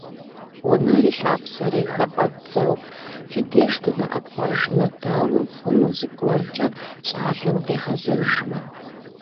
Унэри лъапсэри хыфӀэддзэу, фи деж дынэӀэпхъуэжмэ, дауэ хъуну зыгуэркӀэ щӀалэм къигъэзэжмэ?